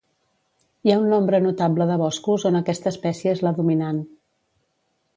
Hi ha un nombre notable de boscos on aquesta espècie és la dominant.